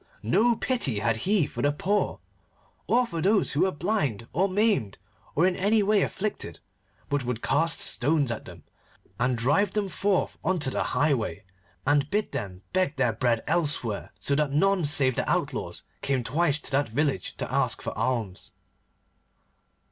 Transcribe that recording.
No pity had he for the poor, or for those who were blind or maimed or in any way afflicted, but would cast stones at them and drive them forth on to the highway, and bid them beg their bread elsewhere, so that none save the outlaws came twice to that village to ask for alms.